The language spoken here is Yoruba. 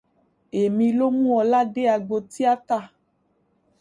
Èmí ló mú Ọlá dé agbo tíátà.